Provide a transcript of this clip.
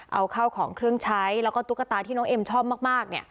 เอาข้าวของเครื่องใช้แล้วก็ตุ๊กตาที่น้องเอ็มชอบมาก